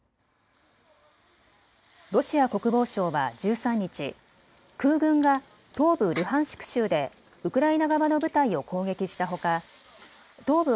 ロシア国防省は１３日、空軍が東部ルハンシク州でウクライナ側の部隊を攻撃したほか東部